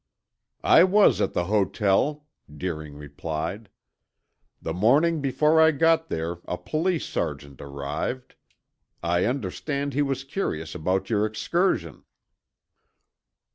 "I was at the hotel," Deering replied. "The morning before I got there a police sergeant arrived. I understand he was curious about your excursion."